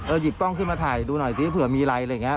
หยิบกล้องขึ้นมาถ่ายดูหน่อยซิเผื่อมีอะไรอะไรอย่างนี้